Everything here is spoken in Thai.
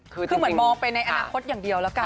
คือเหมือนมองไปในอนาคตอย่างเดียวแล้วกัน